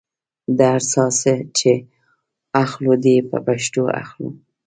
هر ساه چې اخلو دې په پښتو اخلو.